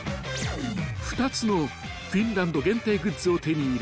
［２つのフィンランド限定グッズを手に入れ